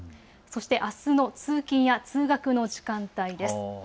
そしてあすの通勤や通学の時間帯です。